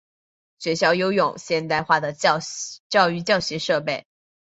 学校拥有现代化的教育教学设备。